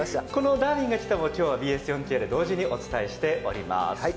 「ダーウィンが来た！」もＢＳ４Ｋで同時にお伝えしております。